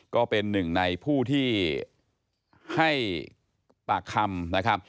ก็เป็นหนึ่งในผู้ที่ให้ปากคำนะครับ